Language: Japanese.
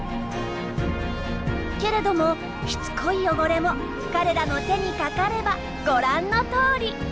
けれどもしつこい汚れも彼らの手にかかればご覧のとおり。